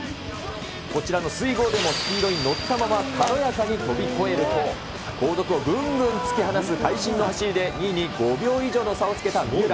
こちらの水郷でもスピードに乗ったまま、軽やかに飛び越えると後続をぐんぐん突き放す会心の走りで、２位に５秒以上の差をつけた三浦。